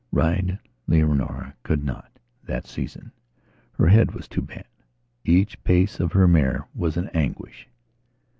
Ride Leonora could not, that seasonher head was too bad. Each pace of her mare was an anguish.